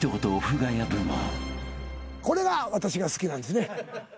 これが私が好きなんですね。